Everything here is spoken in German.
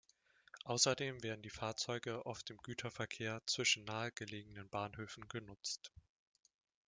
Außerdem werden die Fahrzeuge oft im Güterverkehr zwischen nahegelegenen Bahnhöfen genutzt.